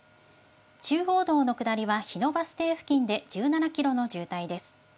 中央道の下りは日野バス停付近で１７キロの渋滞です。